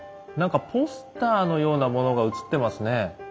何かポスターのようなものが映ってますね。